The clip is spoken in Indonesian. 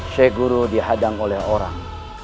syekh guri dihadang oleh orang